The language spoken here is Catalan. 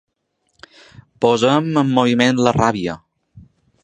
Posem en moviment la ràbia.